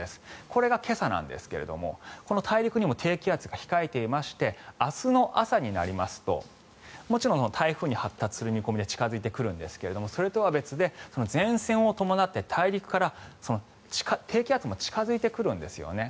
これが今朝なんですが大陸にも低気圧が控えていまして明日の朝になりますともちろん台風に発達する見込みで近付いてくるんですがそれとは別で、前線を伴って大陸から低気圧も近付いてくるんですよね。